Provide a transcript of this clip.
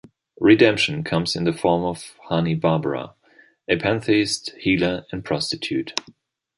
Redemption comes in the form of Honey Barbara - a pantheist, healer and prostitute.